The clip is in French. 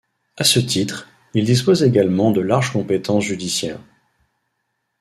À ce titre, il dispose également de larges compétences judiciaires.